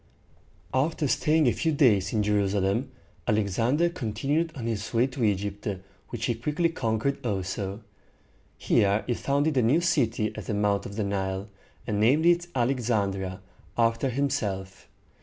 After staying a few days in Jerusalem, Alexander continued on his way to Egypt, which he quickly conquered also. Here he founded a new city at the mouth of the Nile, and named it Al ex an´dri a, after himself.